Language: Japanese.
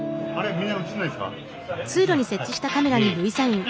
みんな映らないんですか？